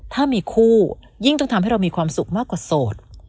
ถ้ามีคู่ยิ่งต้องทำให้เรามีความสุขมากกว่าโสด